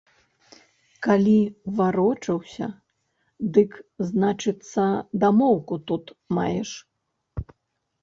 Калі варочаўся, дык, значыцца, дамоўку тут маеш.